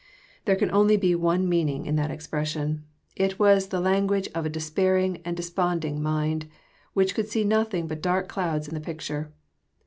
There can only be one meaning in that expression : it was the language of a despairing and de sponding mind, which could see nothing but dark clouds in the picture.